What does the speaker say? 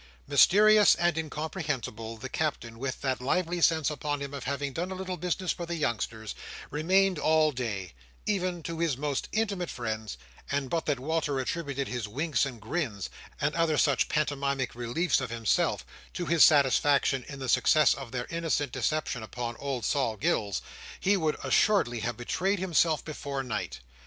Mysterious and incomprehensible, the Captain, with that lively sense upon him of having done a little business for the youngsters, remained all day, even to his most intimate friends; and but that Walter attributed his winks and grins, and other such pantomimic reliefs of himself, to his satisfaction in the success of their innocent deception upon old Sol Gills, he would assuredly have betrayed himself before night.